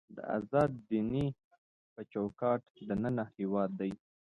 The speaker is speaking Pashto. د ازاد دینۍ په چوکاټ دننه هېواد دی.